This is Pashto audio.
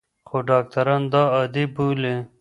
خو ډاکټران دا عادي بولي.